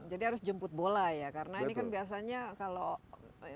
harus jemput bola ya karena ini kan biasanya kalau ya